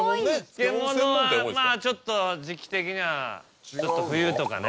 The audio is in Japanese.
漬物はまぁちょっと時期的には冬とかね。